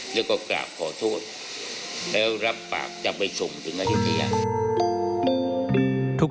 แล้วก็กลับขอโทษแล้วรับปากจับไปชมถึงน้ำเหยียบ